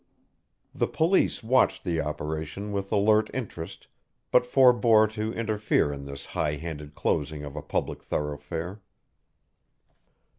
The police watched the operation with alert interest but forebore to interfere in this high handed closing of a public thoroughfare.